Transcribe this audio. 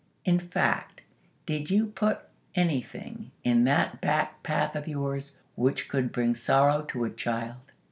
In fact, did you put anything in that back path of yours which could bring sorrow to a child?